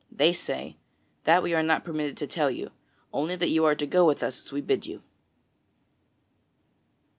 They say: "That we are not permitted to tell you, only that you are to go with us as we bid you."